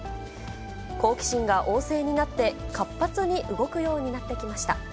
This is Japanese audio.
好奇心が旺盛になって、活発に動くようになってきました。